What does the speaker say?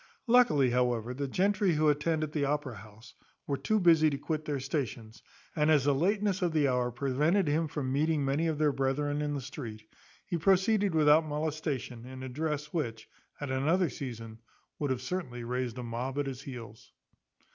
Luckily, however, the gentry who attend at the Opera house were too busy to quit their stations, and as the lateness of the hour prevented him from meeting many of their brethren in the street, he proceeded without molestation, in a dress, which, at another season, would have certainly raised a mob at his heels.